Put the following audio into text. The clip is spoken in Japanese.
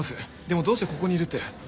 でもどうしてここにいるって？